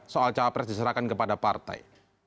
soal cawapres diserahkan kepada partai